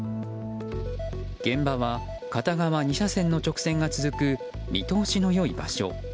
現場は片側２車線の直線が続く見通しの良い場所。